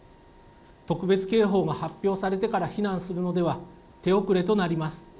特別警報が発表されてから避難するのでは手遅れとなります。